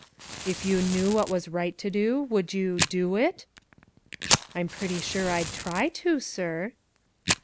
"If you knew what was right to do, would you do it?" "I'm pretty sure I'd try to, sir."